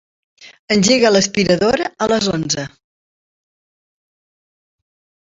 Engega l'aspiradora a les onze.